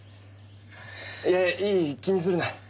いやいい気にするな。